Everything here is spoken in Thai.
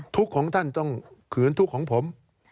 ทุกข์ของท่านต้องขืนทุกข์ของผม